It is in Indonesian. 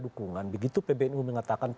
dukungan begitu ppnu mengatakan